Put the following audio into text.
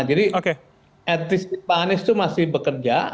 jadi etisi pak anies itu masih bekerja